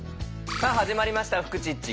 さあ始まりました「フクチッチ」。